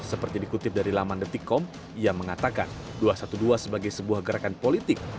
seperti dikutip dari laman detikkom ia mengatakan dua ratus dua belas sebagai sebuah gerakan politik